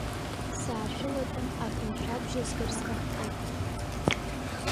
Саашәылатәан ак нашәабжьызгар сҭаххеит.